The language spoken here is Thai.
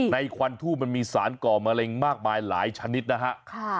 ควันทูบมันมีสารก่อมะเร็งมากมายหลายชนิดนะฮะ